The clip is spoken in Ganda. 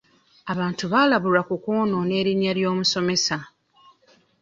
Abantu baalabulwa ku kwonoona erinnya ly'omusomesa.